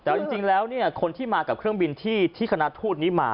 แต่จริงแล้วคนที่มากับเครื่องบินที่คณะทูตนี้มา